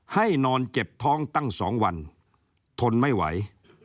ให้นอนเจ็บท้องตั้ง๒วันทนไม่ไหว